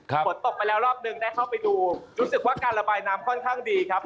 ฝนตกไปแล้วรอบนึงได้เข้าไปดูรู้สึกว่าการระบายน้ำค่อนข้างดีครับ